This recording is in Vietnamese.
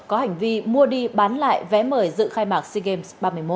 có hành vi mua đi bán lại vé mời dự khai mạc sea games ba mươi một